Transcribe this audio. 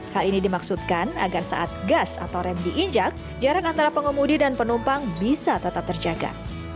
hal ini dimaksudkan agar saat gas atau rem diinjak jarak antara pengemudi dan penumpang bisa tetap terjaga